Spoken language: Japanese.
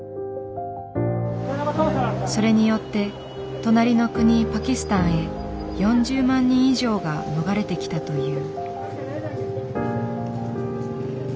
それによって隣の国パキスタンへ４０万人以上が逃れてきたという。